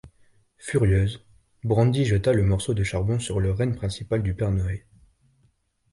Furieuse, Brandy jeta le morceau de charbon sur le renne principal du père Noël.